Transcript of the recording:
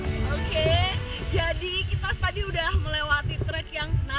oke jadi kita tadi sudah melewati trek yang terbaik